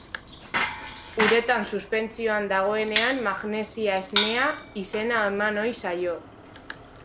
Uretan suspentsioan dagoenean magnesia esnea izena eman ohi zaio.